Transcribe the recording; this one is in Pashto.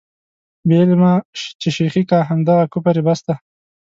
بې علمه چې شېخي کا، همدغه کفر یې بس دی.